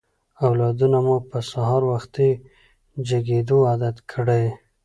اولادونه مو په سهار وختي جګېدو عادت کړئ.